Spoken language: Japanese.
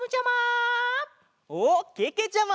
おっけけちゃま！